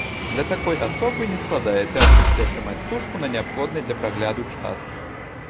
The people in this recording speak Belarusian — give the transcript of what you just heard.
Для такой асобы не складае цяжкасці атрымаць стужку на неабходны для прагляду час.